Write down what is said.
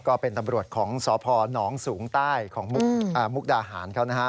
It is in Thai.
ก็เป็นตำรวจของสพนสูงใต้ของมุกดาหารเขานะฮะ